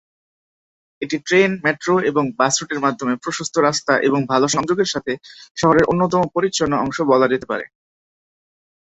এটি train, metro এবং bus রুটের মাধ্যমে প্রশস্ত রাস্তা এবং ভাল সংযোগের সাথে শহরের অন্যতম পরিচ্ছন্ন অংশ বলা যেতে পারে।